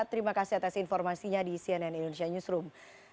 terima kasih atas informasinya di cnn indonesia newsroom